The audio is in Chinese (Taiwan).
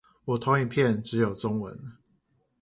我投影片只有中文